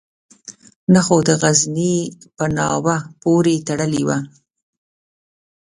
نه خو د غزني په ناوه پورې تړلی وو.